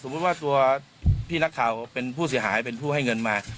ว่าตัวพี่นักข่าวเป็นผู้เสียหายเป็นผู้ให้เงินมา